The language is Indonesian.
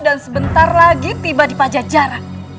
dan sebentar lagi tiba di pajak jarak